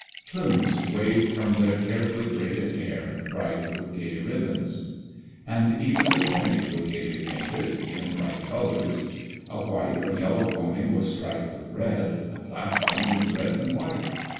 Plumes waved from their carefully braided hair, bright with gay ribbons. And even the ponies were gayly painted in bright colors. A white or yellow pony was striped with red; a black one with red and white.